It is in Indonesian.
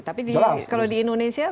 tapi kalau di indonesia